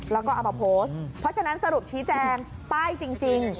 แล้วก็เอามาโพสต์เพราะฉะนั้นสรุปชี้แจงป้ายจริง